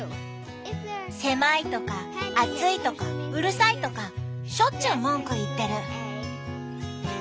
狭いとか暑いとかうるさいとかしょっちゅう文句言ってる。